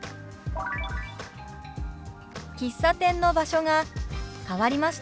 「喫茶店の場所が変わりました」。